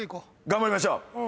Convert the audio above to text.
頑張りましょう。